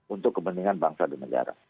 untuk kepentingan bangsa dan negara